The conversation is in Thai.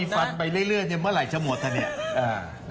มีสดมีพันายเรื่อนเรื่องเมื่อไหร่ช้าหมด